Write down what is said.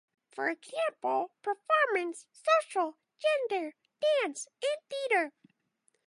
For example: performance, social, gender, dance, and theater.